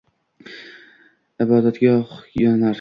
Ibodatgoh yonar